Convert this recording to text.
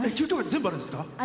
全部あるんですか。